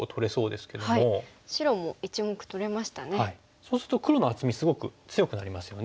そうすると黒の厚みすごく強くなりますよね。